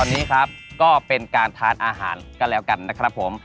ตอนนี้ครับก็เป็นการทานอาหารก็แล้วกันนะครับผม